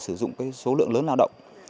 có một số lượng lớn lao động